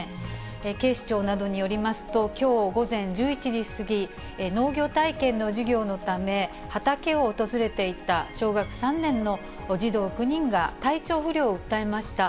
警視庁などによりますと、きょう午前１１時過ぎ、農業体験の授業のため、畑を訪れていた小学３年の児童９人が、体調不良を訴えました。